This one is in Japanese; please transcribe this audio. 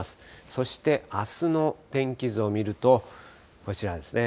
そして、あすの天気図を見ると、こちらですね。